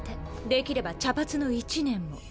できれば茶髪の一年も。